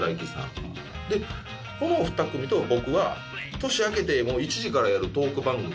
このおふた組と僕は年明けて１時からやるトーク番組。